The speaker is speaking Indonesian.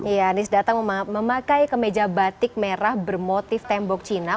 ya anies datang memakai kemeja batik merah bermotif tembok cina